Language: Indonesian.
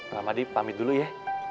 rahmadi pamit dulu ya